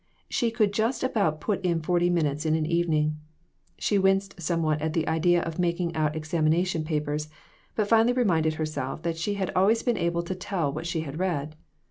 She could just about put in forty minutes in an evening. She winced somewhat at the idea of making out examina tion papers, but finally reminded herself that she had always been able to tell what she had read.